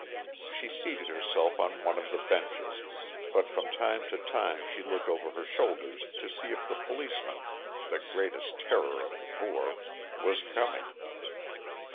She seated herself on one of the benches, but from time to time she looked over her shoulder to see if the policeman (the greatest terror of the poor) was coming.